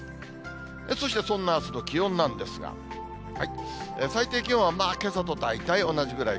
そしてそんなあすの気温なんですが、最低気温はけさと大体同じぐらい。